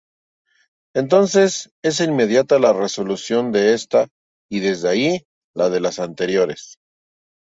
Entonces es inmediata la resolución de esta y desde ahí la de las anteriores.